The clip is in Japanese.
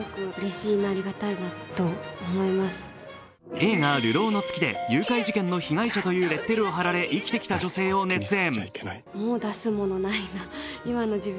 映画「流浪の月」で誘拐事件の被害者というレッテルを貼られ生きてきた女性を熱演。